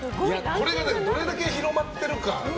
これがどれだけ広まってるかだね。